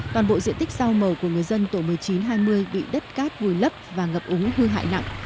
toàn bộ diện tích sao màu của người dân tổ một mươi chín hai mươi bị đất cát vùi lấp và ngập úng hư hại nặng